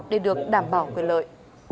để được đảm bảo quyền lợi